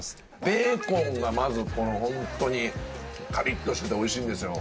ベーコンがまずホントにカリッとしてて美味しいんですよ。